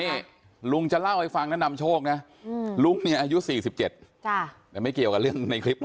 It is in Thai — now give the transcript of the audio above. นี่ลุงจะเล่าให้ฟังนะนำโชคนะลุงเนี่ยอายุ๔๗แต่ไม่เกี่ยวกับเรื่องในคลิปนะ